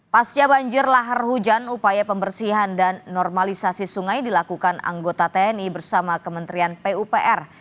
pasca banjir lahar hujan upaya pembersihan dan normalisasi sungai dilakukan anggota tni bersama kementerian pupr